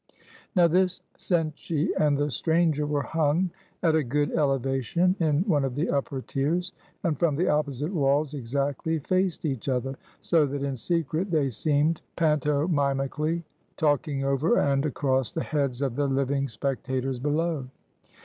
Now, this Cenci and "the Stranger" were hung at a good elevation in one of the upper tiers; and, from the opposite walls, exactly faced each other; so that in secret they seemed pantomimically talking over and across the heads of the living spectators below.